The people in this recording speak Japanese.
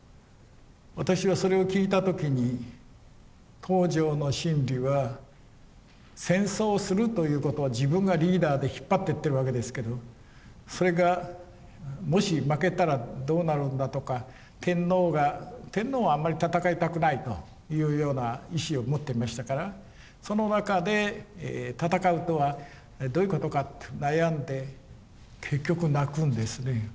私はそれを聞いた時に東條の心理は戦争をするということは自分がリーダーで引っ張ってってるわけですけどそれがもし負けたらどうなるんだとか天皇が天皇はあんまり戦いたくないというような意思を持っていましたからその中で戦うとはどういうことかと悩んで結局泣くんですね。